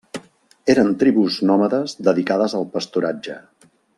Eren tribus nòmades dedicades al pasturatge.